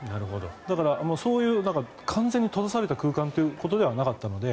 だから、そういう完全に閉ざされた空間ということではなかったので。